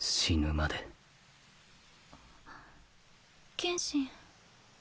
剣心。